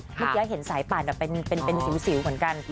เมื่อกี้เห็นสายปั่นเป็นสิวเหมือนกัน